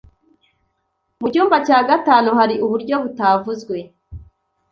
Mu cyumba cya gatanu hari uburyo butavuzwe